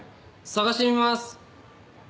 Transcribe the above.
捜してみます。